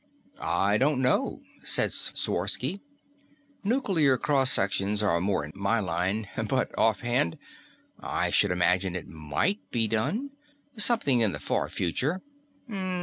"I don't know," said Sworsky. "Nuclear cross sections are more in my line. But offhand, I should imagine it might be done ... sometime in the far future.